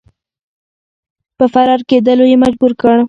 په فرار کېدلو یې مجبور کړ.